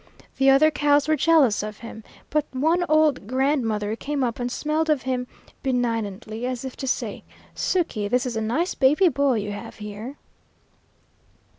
The other cows were jealous of him, but one old grandmother came up and smelled of him benignantly, as if to say, "Suky, this is a nice baby boy you have here."